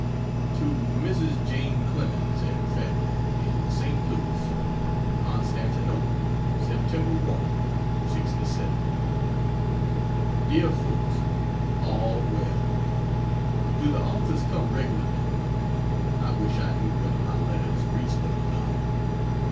To Mrs. Jane Clemens and family, in St. Louis: CONSTANTINOPLE, Sept. 1, '67. DEAR FOLKS, All well. Do the Alta's come regularly? I wish I knew whether my letters reach them or not.